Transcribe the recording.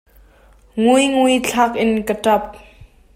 Nguingui thlak in a ṭap.